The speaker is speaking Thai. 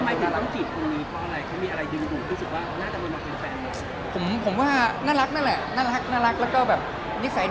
ทำไมมีต้นต่อจีบตรงนี้เค้ามีอะไรดืมหาคิดว่าหน้าจำไม่มาเป็นแฟนไหม